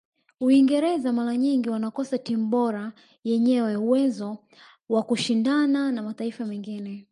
uingereza mara nyingi wanakosa timu bora yenyewe uwezo wa kushindana na mataifa mengine